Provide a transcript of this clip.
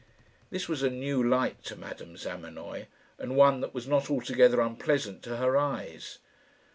This was a new light to Madame Zamenoy, and one that was not altogether unpleasant to her eyes.